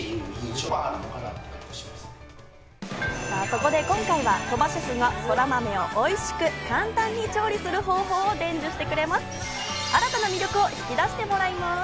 そこで今回は鳥羽シェフがそらまめをおいしく簡単に調理する方法を伝授してくれます。